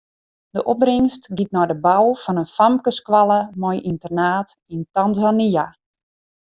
De opbringst giet nei de bou fan in famkesskoalle mei ynternaat yn Tanzania.